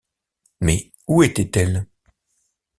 Mais où était-elle?